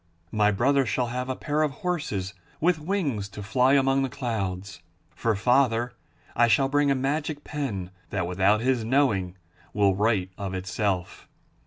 My brother shall have a pair of horses with wings to fly among the clouds. For father I shall bring a magic pen that, without his knowing, will write of itself.